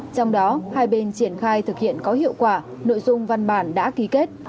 trong đó hai bên triển khai thực hiện có hiệu quả nội dung văn bản đã ký kết